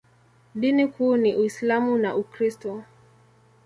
Dini kuu ni Uislamu na Ukristo.